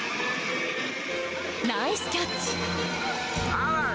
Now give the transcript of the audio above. ナイスキャッチ！